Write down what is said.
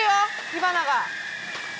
火花が。